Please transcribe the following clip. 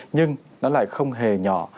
nhưng nó lại không hề nhỏ